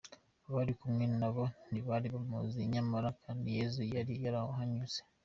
Abari kumwe nawe bo ntibari bamuzi nyamara kandi Yesu yari yabanyuzeho.